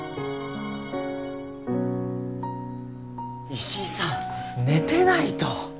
石井さん寝てないと。